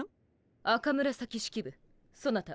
赤紫式部そなた